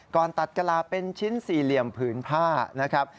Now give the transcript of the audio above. ก่อนตัดกะลาเป็นชิ้นสี่เหลี่ยมผืนผ้านะครับ